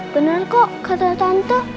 bener kok kata tante